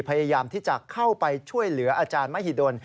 พยายามที่จะเข้าไปช่วยเหลืออาจารย์มหิดล